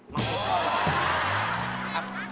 มะเร็วก็อร่อย